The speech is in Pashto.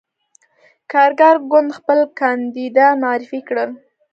کارګر ګوند خپل کاندیدان معرفي کړل.